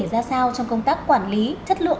ra sao trong công tác quản lý chất lượng